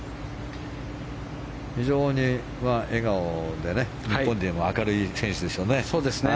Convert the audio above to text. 非常に笑顔でね、日本でも明るい選手ですよね。